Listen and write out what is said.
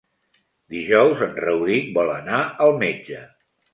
Dijous en Rauric vol anar al metge.